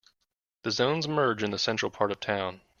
The zones merge in the central part of town.